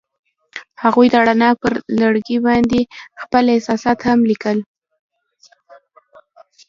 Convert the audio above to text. هغوی د رڼا پر لرګي باندې خپل احساسات هم لیکل.